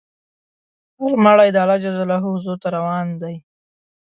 هر مړی د الله حضور ته روان دی.